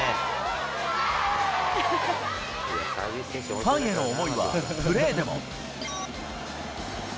ファンへの思いはプレーでも。